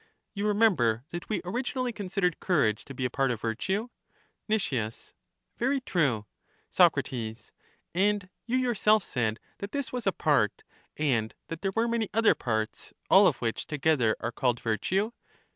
You remember that we originally con sidered courage to be a part of virtue. Nic, Very true. Soc, And you yourself said that this was a part, and that there were many other parts, all of which to gether are called virtue.